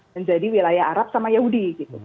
menjadi wilayah arab sama yahudi